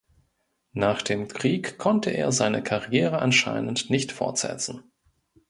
Nach dem Krieg konnte er seine Karriere anscheinend nicht fortsetzen.